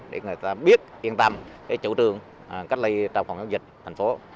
để người ta biết yên tâm chủ trương cách ly trong phòng chống dịch thành phố